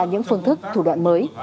những phương thức thủ đoạn mới